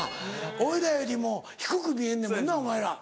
俺らよりも低く見えんねんもんなお前ら。